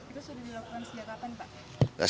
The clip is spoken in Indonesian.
itu sudah dilakukan sejak kapan pak